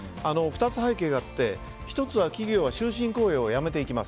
２つ背景があって１つは企業は終身雇用をやめていく。